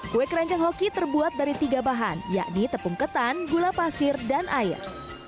kue keranjang hoki terbuat dari tiga bahan yakni tepung ketan gula pasir dan air